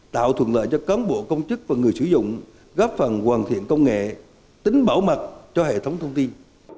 tạo thuận lợi cho cán bộ công chức và người sử dụng góp phần hoàn thiện công nghệ tính bảo mật cho hệ thống thông tin